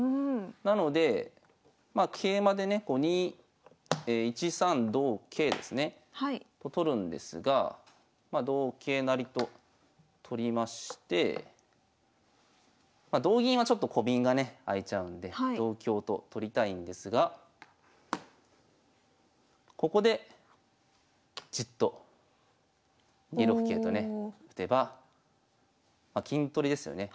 なのでまあ桂馬でね１三同桂ですねと取るんですがま同桂成と取りましてま同銀はちょっとコビンがね開いちゃうので同香と取りたいんですがここでじっと２六桂とね打てばま金取りですよね